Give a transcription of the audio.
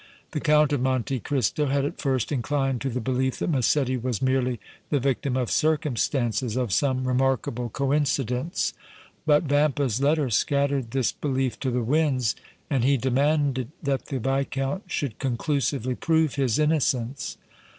The Count of Monte Cristo had at first inclined to the belief that Massetti was merely the victim of circumstances, of some remarkable coincidence, but Vampa's letter scattered this belief to the winds and he demanded that the Viscount should conclusively prove his innocence.